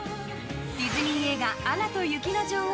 ディズニー映画「アナと雪の女王」